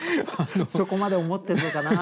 そこまで思ってるのかな。